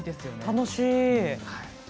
楽しい。